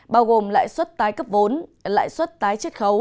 bao gồm lãi xuất tái cấp vốn lãi xuất tái trị